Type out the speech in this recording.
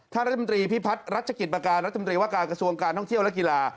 รัฐมนตรีพิพัฒน์รัชกิจประการรัฐมนตรีว่าการกระทรวงการท่องเที่ยวและกีฬา